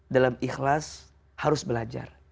dalam ikhlas harus belajar